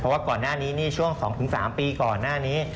เพราะว่าก่อนหน้านี้ช่วง๒๓ปีก่อนหน้านี้